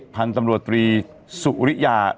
พันธุ์ตำรวจตรีสุริยา